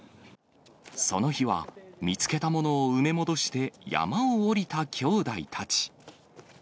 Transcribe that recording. その日は、見つけたものを埋め戻して山を下りた兄弟たち。